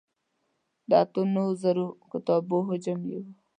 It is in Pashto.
د اتو نهو زرو کتابو حجم یې و.